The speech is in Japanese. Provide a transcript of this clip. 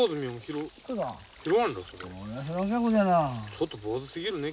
ちょっと坊主すぎるね。